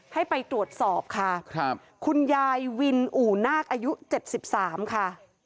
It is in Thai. ให้ไปตรวจสอบค่ะครับคุณยายวินอู่นาคอายุ๗๓ค่ะ